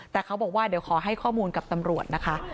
แต่เขาบอกว่าเดี๋ยวขอให้ข้อมูลกับตำรวจนะคะ